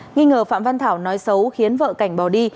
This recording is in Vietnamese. nghi ngờ phạm văn thảo nói xấu khiến vợ cảnh bỏ đi